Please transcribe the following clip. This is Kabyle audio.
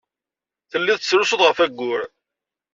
Tellid tettrusud ɣef wayyur.